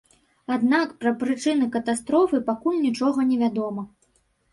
Аднак пра прычыны катастрофы пакуль нічога невядома.